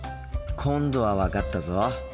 今度は分かったぞ。